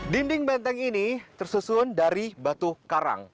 dinding benteng ini tersusun dari batu karang